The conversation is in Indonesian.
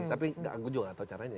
tapi gue juga gak tau caranya